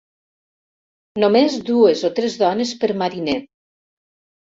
Només dues o tres dones per mariner.